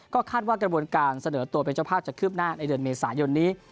คาดว่ากระบวนการเสนอตัวเป็นเจ้าภาพจะคืบหน้าในเดือนเมษายนนี้